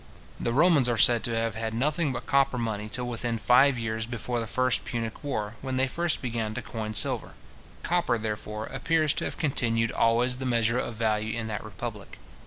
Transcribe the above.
The Romans are said to have had nothing but copper money till within five years before the first Punic war (Pliny, lib. xxxiii. cap. 3), when they first began to coin silver. Copper, therefore, appears to have continued always the measure of value in that republic.